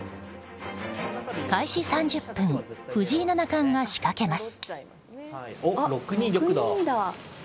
開始３０分藤井七冠が仕掛けます。